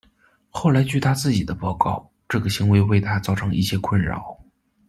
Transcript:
后来据他自己的报告，这个行为为他造成一些“困扰”。